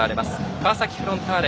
川崎フロンターレ